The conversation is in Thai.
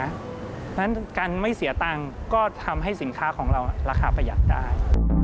เพราะฉะนั้นการไม่เสียตังค์ก็ทำให้สินค้าของเราราคาประหยัดได้